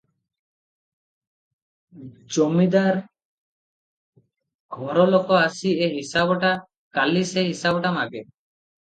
ଜମିଦାର-ଘର ଲୋକ ଆସି ଏ ହିସାବଟା, କାଲି ସେ ହିସାବଟା ମାଗେ ।